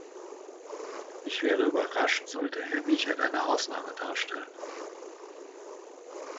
Ich wäre überrascht, sollte Herr Wiechert eine Ausnahme darstellen.